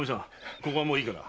ここはもういいから。